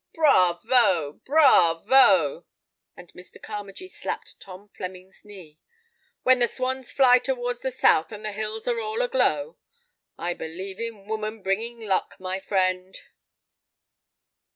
"Bravo, bravo"—and Mr. Carmagee slapped Tom Flemming's knee. 'When the swans fly towards the south, and the hills are all aglow.' I believe in woman bringing luck, my friend."